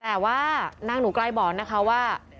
แต่ว่านางหนูกลายบอร์ดนะคะว่า